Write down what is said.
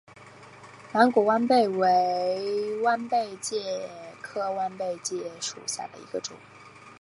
蓝果弯贝介为弯贝介科弯贝介属下的一个种。